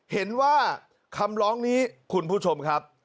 เห็นว่าคำร้องนี้คุณผู้ชมครับ